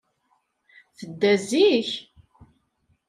Tedda zik.